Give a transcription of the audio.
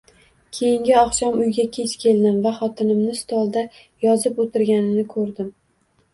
Keyingi oqshom uyga kech keldim va xotinimni stolda yozib o‘tirganini ko‘rdim